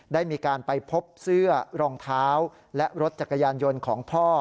ได้มีการไปพบเสื้อรองเท้าและรถจักรยานยนต์ของพ่อ